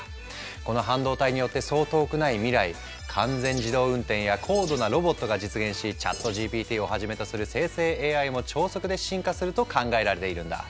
この半導体によってそう遠くない未来完全自動運転や高度なロボットが実現しチャットＧＰＴをはじめとする生成ＡＩも超速で進化すると考えられているんだ。